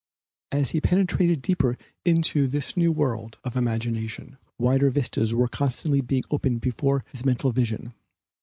As he penetrated deeper into this new world of the imagination, wider vistas were constantly being opened before his mental vision.